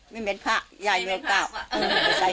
ไม่เม็ดผ้ายายเม็ดก้าว